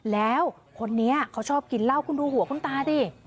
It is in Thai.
แล้วคนนี้เขาชอบกินเหล้าคุณดูหัวคุณตาดิ